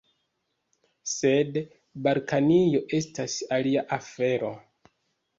Sed Balkanio estas alia afero.